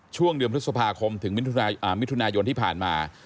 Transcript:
ช่วงเดือนพฤษภาคมถึงมิถุนายนที่ผ่านมา